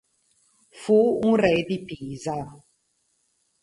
Fu un re di Pisa.